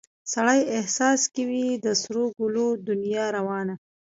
سړي احساس کې وي د سرو ګلو دنیا روانه